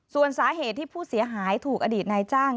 ส่วนสาเหตุที่ผู้เสียหายถูกอดีตนายจ้าง